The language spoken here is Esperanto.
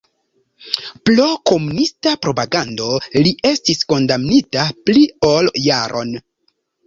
Pro komunista propagando li estis kondamnita pli ol jaron.